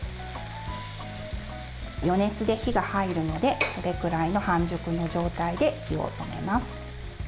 余熱で火が入るまでこれくらいの半熟の状態で火を止めます。